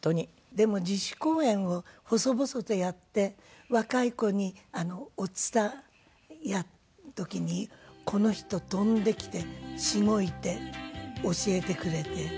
でも自主公演を細々とやって若い子にお蔦やる時にこの人飛んできてしごいて教えてくれて。